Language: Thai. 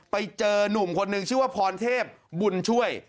ไปเจอนุ่มคนนึงชื่อว่าพรเทพบุญช่วย